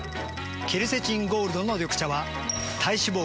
ケルセチンゴールドの緑茶は体脂肪が？